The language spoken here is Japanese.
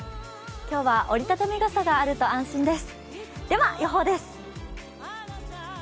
今日は折り畳み傘があると安心です。